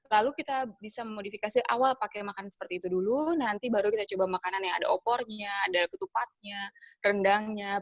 lalu kita bisa memodifikasi awal pakai makanan seperti itu dulu nanti baru kita coba makanan yang ada opornya ada ketupatnya rendangnya